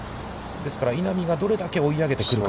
ですから、稲見がどれだけ追いかけてくるか。